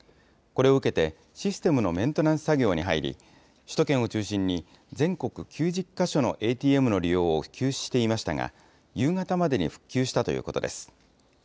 これを受けて、システムのメンテナンス作業に入り、首都圏を中心に、全国９０か所のＡＴＭの利用を休止していましたが、夕方までに復旧したということです。